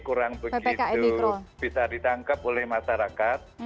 kurang begitu bisa ditangkap oleh masyarakat